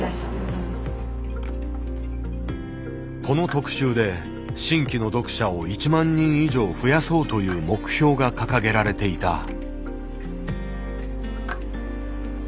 この特集で新規の読者を１万人以上増やそうという目標が掲げられていた。